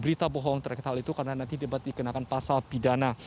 berita bohong terkait hal itu karena nanti debat dikenakan pasal pidana